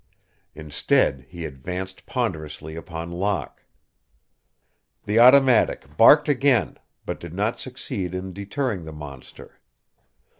Instead, he advanced ponderously upon Locke. The automatic barked again, but did not succeed in deterring the monster.